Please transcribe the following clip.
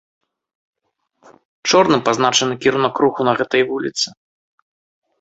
Чорным пазначаны кірунак руху на гэтай вуліцы.